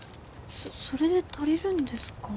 そそれで足りるんですか？